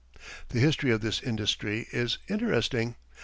The history of this industry is interesting.